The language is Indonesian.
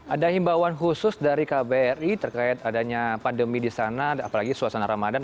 ada himbauan khusus dari kbri terkait adanya pandemi di sana apalagi suasana ramadan